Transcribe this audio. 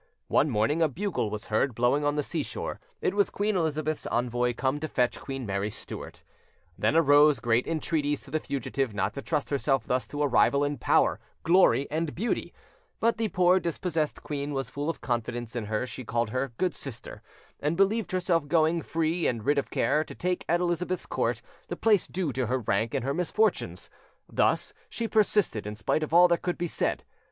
One morning a bugle was heard blowing on the sea shore: it was Queen Elizabeth's envoy come to fetch Queen Mary Stuart. Then arose great entreaties to the fugitive not to trust herself thus to a rival in power, glory, and beauty; but the poor dispossessed queen was full of confidence in her she called her good sister, and believed herself going, free and rid of care, to take at Elizabeth's court the place due to her rank and her misfortunes: thus she persisted, in spite of all that could be said.